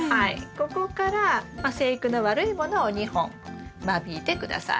ここからまあ生育の悪いものを２本間引いて下さい。